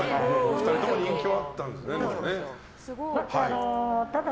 ２人とも人気はあったんだ。